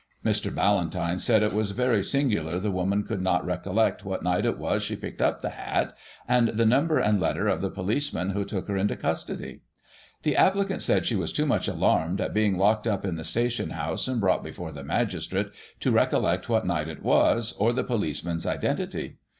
Mr. Ballantyne said it was very singular the woman could not recollect what night it was she picked up the hat, and the number and letter of the policeman who took her into custody. The applicant said she was too much alarmed at being locked up in the station hotise, and brought before the magis trate, to recollect what night it was, or the policeman's identity. Mr.